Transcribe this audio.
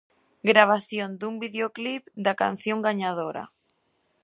Gravación dun vídeoclip da canción gañadora.